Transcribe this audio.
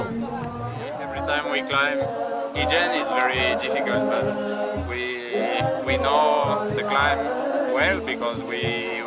setiap kali kita menaiki ijen sangat sulit tapi kita tahu menaiki ini karena kita pergi tahun lalu